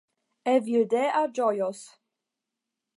Evildea ĝojos